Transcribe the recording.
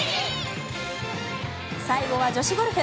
最後は女子ゴルフ。